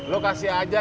lu kasih aja